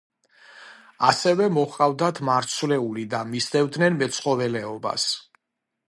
ასევე მოჰყავთ მარცვლეული და მისდევენ მეცხოველეობას.